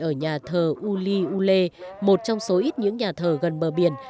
ở nhà thờ uli ule một trong số ít những nhà thờ gần bờ biển